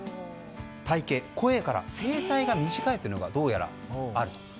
体形、声から声帯が短いというのがどうやらあると。